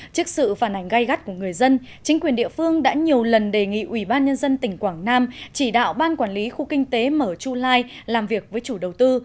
trước sự phản ảnh gai gắt của người dân chính quyền địa phương đã nhiều lần đề nghị ủy ban nhân dân tỉnh quảng nam chỉ đạo ban quản lý khu kinh tế mở chu lai làm việc với chủ đầu tư